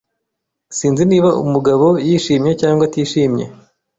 Sinzi niba Mugabo yishimye cyangwa atishimye.